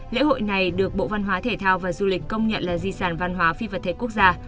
lễ hội này được bộ văn hóa thể thao và du lịch công nhận là di sản văn hóa phi vật thể quốc gia